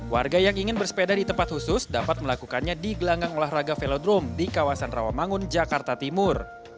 warga yang ingin bersepeda di tempat khusus dapat melakukannya di gelanggang olahraga velodrome di kawasan rawamangun jakarta timur